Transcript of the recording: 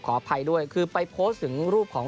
อภัยด้วยคือไปโพสต์ถึงรูปของ